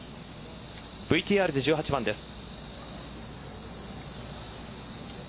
ＶＴＲで１８番です。